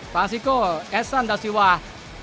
ราซิโก้แอสซันดาซิวา